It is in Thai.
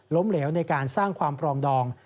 เหลวในการสร้างความปรองดอง